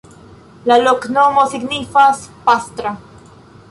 La loknomo signifas: pastra.